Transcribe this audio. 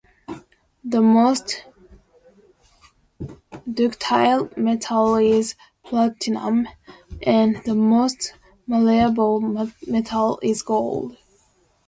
The most ductile metal is platinum and the most malleable metal is gold.